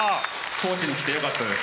高知に来てよかったです。